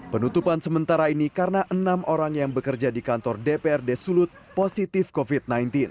penutupan sementara ini karena enam orang yang bekerja di kantor dprd sulut positif covid sembilan belas